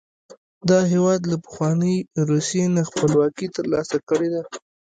دا هېواد له پخوانۍ روسیې نه خپلواکي تر لاسه کړې ده.